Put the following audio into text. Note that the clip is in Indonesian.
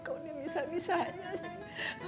kok ini bisa bisanya sih